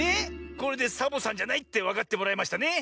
これでサボさんじゃないってわかってもらえましたね。